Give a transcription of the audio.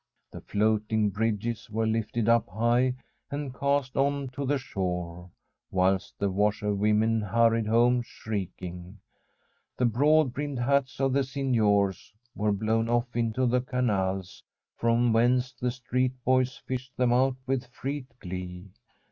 The floating bridges were lifted up high and cast on to the shore, whilst the washerwomen hurried home shrieking. The broad brimmed hats of the signors were blown off into the canals, from whence the street boys fished them out with freat glee.